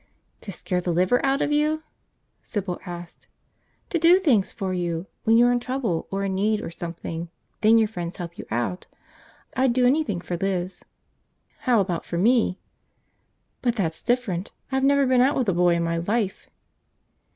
"To scare the liver out of you?" Sybil asked. "To do things for you. When you're in trouble or in need or something, then your friends help you out. I'd do anything for Liz!" "How about for me?" "But that's different! I've never been out with a boy in my life!"